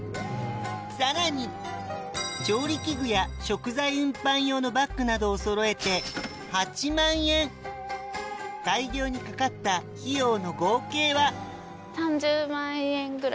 さらに調理器具や食材運搬用のバッグなどをそろえて開業にかかった費用の合計は全額？